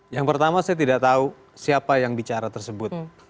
yang pertama saya tidak tahu siapa yang bicara tersebut